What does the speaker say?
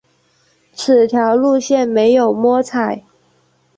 此条路线没有摸彩